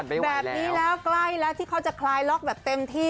แบบนี้แล้วใกล้แล้วที่เขาจะคลายล็อกแบบเต็มที่